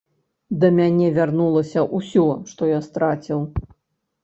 Да мяне вярнулася ўсё, што я страціў.